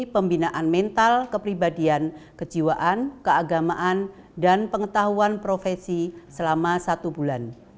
pembinaan mental kepribadian kejiwaan keagamaan dan pengetahuan profesi selama satu bulan